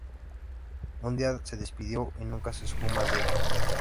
Un día se despidió y nunca se supo más de ella.